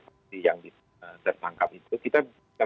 faksi yang ditangkap itu kita